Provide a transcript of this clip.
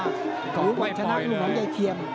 หรือว่าชนะกลุ่มของเย้เทียม